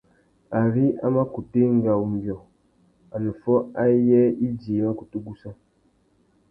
Ari a mà kutu enga umbiô, anôffô ayê idjï i mà kutu gussa.